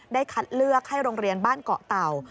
คัดเลือกให้โรงเรียนบ้านเกาะเต่า